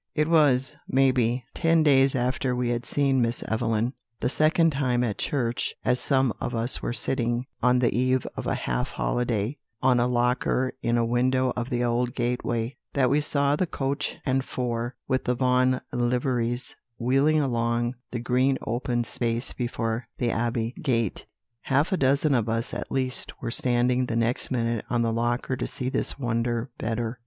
"It was, maybe, ten days after we had seen Miss Evelyn the second time at church, as some of us were sitting, on the eve of a half holiday, on a locker in a window of the old gateway, that we saw the coach and four, with the Vaughan liveries, wheeling along the green open space before The Abbey gate; half a dozen of us at least were standing the next minute on the locker to see this wonder better.